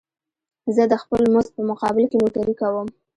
زه د خپل مزد په مقابل کې نوکري کوم